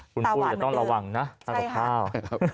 คุณผู้จะต้องระวังนะกับข้าว